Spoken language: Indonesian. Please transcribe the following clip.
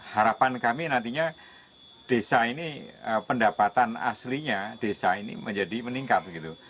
harapan kami nantinya desa ini pendapatan aslinya desa ini menjadi meningkat